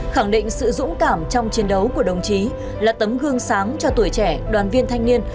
khẳng định sự dũng cảm trong chiến đấu của đồng chí là tấm gương sáng cho tuổi trẻ đoàn viên thanh niên